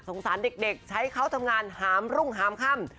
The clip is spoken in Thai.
สารเด็กใช้เขาทำงานหามรุ่งหามค่ำ